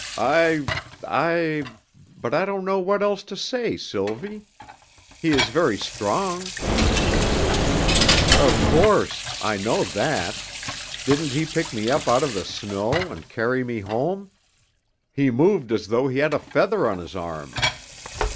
"I I but I don't know what else to say, Sylvie. He is very strong." "Of course. I know that. Didn't he pick me up out of the snow and carry me home? He moved as though he had a feather on his arm.